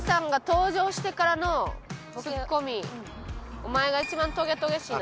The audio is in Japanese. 「お前が１番トゲトゲしいな」。